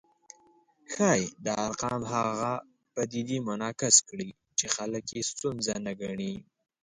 ښايي دا ارقام هغه پدیدې منعکس کړي چې خلک یې ستونزه نه ګڼي